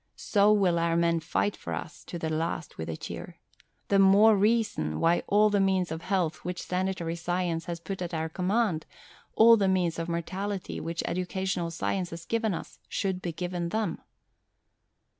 So will our men fight for us to the last with a cheer. The more reason why all the means of health which Sanitary Science has put at our command, all the means of morality which Educational Science has given us, should be given them."